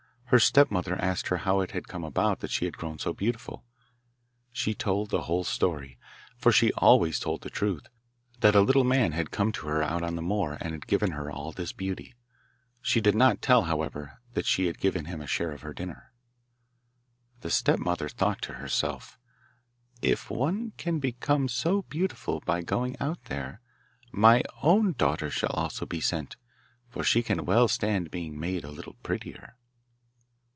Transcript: Her stepmother asked her how it had come about that she had grown so beautiful. She told the whole story for she always told the truth that a little man had come to her out on the moor and had given her all this beauty. She did not tell, however, that she had given him a share of her dinner. The stepmother thought to herself, 'If one can become so beautiful by going out there, my own daughter shall also be sent, for she can well stand being made a little prettier.